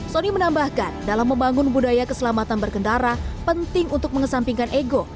sony menambahkan dalam membangun budaya keselamatan berkendara penting untuk mengesampingkan ego